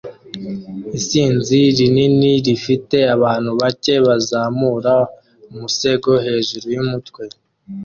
Isinzi rinini rifite abantu bake bazamura umusego hejuru yumutwe